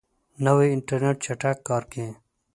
نوی انټرنیټ چټک کار کوي